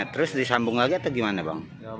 terus disambung lagi atau gimana bang